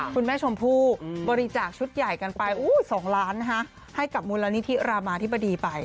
คุณแม่ชมพู่บริจาคชุดใหญ่กันไป๒ล้านให้กับมูลนิธิรามาธิบดีไป